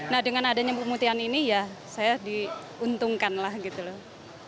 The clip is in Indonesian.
nah dengan adanya pemutihan ini ya saya diuntungkan lah gitu loh